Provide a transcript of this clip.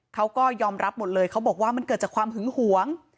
เขาก็ยอมรับหมดเลยเขาบอกว่ามันเกิดจากความหึงหวง